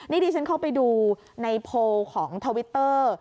นี่ดิฉันเข้าไปดูในโพลของทวิตเตอร์